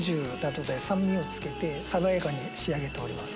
・爽やかに仕上げております